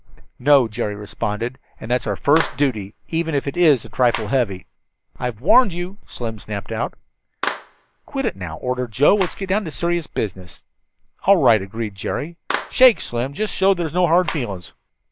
"No," Jerry responded, "and that's our first duty, even if it is a trifle heavy." "I've warned you," Slim snapped out. "Quit it now," ordered Joe. "Let's get down to serious business." "All right," agreed Jerry. "Shake, Slim, just to show there's no hard feelings."